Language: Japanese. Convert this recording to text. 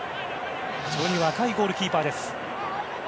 非常に若いゴールキーパーです。